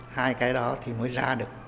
hai cái đó thì mới ra được